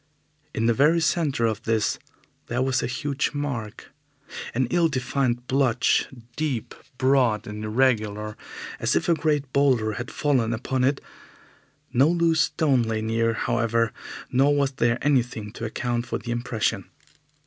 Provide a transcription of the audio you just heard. In the very centre of this there was a huge mark an ill defined blotch, deep, broad and irregular, as if a great boulder had fallen upon it. No loose stone lay near, however, nor was there anything to account for the impression.